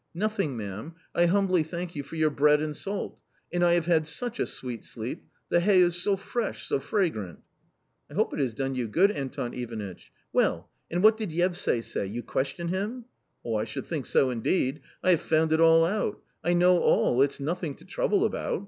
" Nothing, ma'am, I humbly thank you for your bread and salt .... and I have had such a sweet sleep ; the hay is so fresh, so fragrant." " I hope it has done you good, Anton Ivanitch. Well, and what did Yevsay say ! You questioned him ?"" I should think so, indeed ! I have found it all out ; I know all, it's nothing to trouble about.